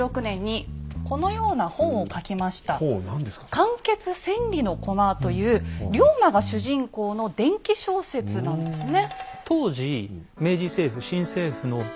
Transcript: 「汗血千里駒」という龍馬が主人公の伝記小説なんですね。